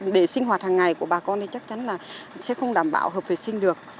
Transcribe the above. để sinh hoạt hàng ngày của bà con thì chắc chắn là sẽ không đảm bảo hợp vệ sinh được